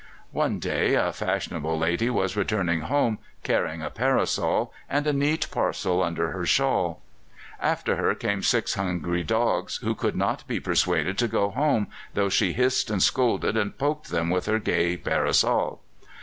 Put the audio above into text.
One day a fashionable lady was returning home carrying a parasol and a neat parcel under her shawl. After her came six hungry dogs, who could not be persuaded to go home, though she hissed and scolded and poked them with her gay parasol.